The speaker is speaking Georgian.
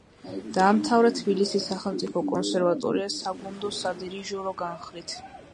დაამთავრა თბილისის სახელმწიფო კონსერვატორია საგუნდო-სადირიჟორო განხრით.